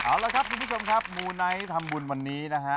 เอาละครับคุณผู้ชมครับมูไนท์ทำบุญวันนี้นะฮะ